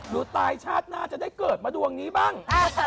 ตายชาติหน้าจะได้เกิดมาดวงนี้บ้าง